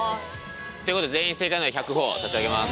ということで全員正解なんで１００ほぉ差し上げます。